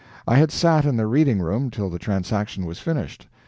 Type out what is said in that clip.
I had sat in the reading room till the transaction was finished.